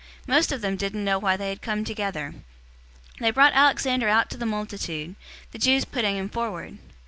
Most of them didn't know why they had come together. 019:033 They brought Alexander out of the multitude, the Jews putting him forward.